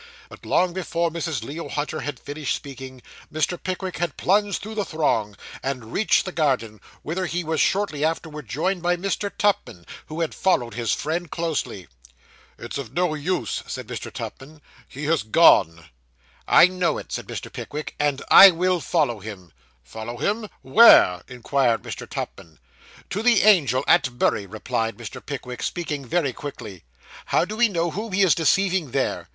But long before Mrs. Leo Hunter had finished speaking, Mr. Pickwick had plunged through the throng, and reached the garden, whither he was shortly afterwards joined by Mr. Tupman, who had followed his friend closely. 'It's of no use,' said Mr. Tupman. 'He has gone.' 'I know it,' said Mr. Pickwick, 'and I will follow him.' 'Follow him! Where?' inquired Mr. Tupman. 'To the Angel at Bury,' replied Mr. Pickwick, speaking very quickly. 'How do we know whom he is deceiving there?